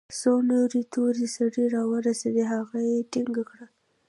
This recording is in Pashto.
څو نورې تور سرې راورسېدې هغه يې ټينګه كړه.